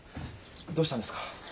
どうしたんですか？